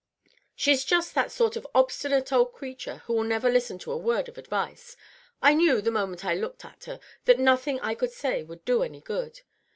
She's just that sort of obstinate old creature who will never listen to a word of advice. I knew, the moment I looked at her, that nothing I could say would do any good.